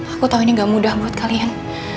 aku tahu ini gak mudah buat kalian